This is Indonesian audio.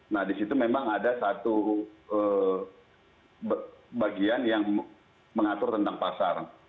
nah di situ memang ada satu bagian yang mengatur tentang pasar